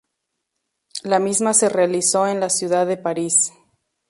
La misma se realizó en la ciudad de París.